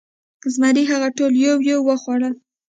زمري هغه ټول یو یو وخوړل.